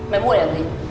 mày mua để làm gì